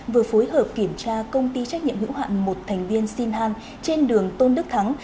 vừa phối hợp kiểm tra công ty trách nhiệm hữu hạn một thành viên sinh han trên đường tôn đức thắng